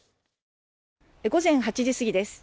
午前８時過ぎです。